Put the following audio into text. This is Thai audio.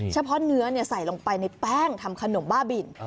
เฉพาะเนื้อใส่ลงไปในแป้งทำขนมบ้าบิน